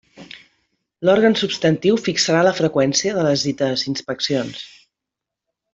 L'òrgan substantiu fixarà la freqüència de les dites inspeccions.